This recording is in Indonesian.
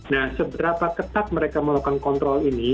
nah seberapa ketat mereka melakukan kontrol ini